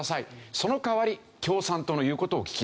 その代わり共産党の言う事を聞きなさいと。